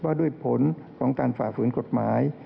ว่าด้วยผลของการฝากฐุรนต์กฎหมาย